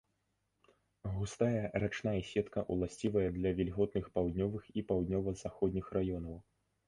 Густая рачная сетка ўласцівая для вільготных паўднёвых і паўднёва-заходніх раёнаў.